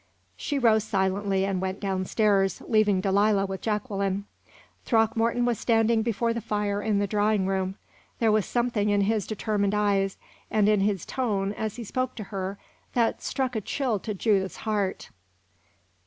She rose silently and went down stairs, leaving Delilah with Jacqueline. Throckmorton was standing before the fire in the drawing room. There was something in his determined eye and in his tone as he spoke to her that struck a chill to Judith's heart.